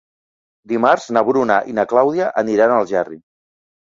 Dimarts na Bruna i na Clàudia aniran a Algerri.